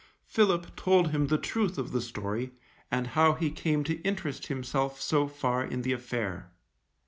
Philip told him the truth of the story, and how he came to interest himself so far in the affair.